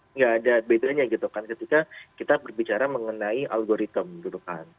nggak ada bedanya gitu kan ketika kita berbicara mengenai algoritem gitu kan